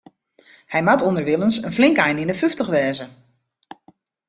Hy moat ûnderwilens in flink ein yn de fyftich wêze.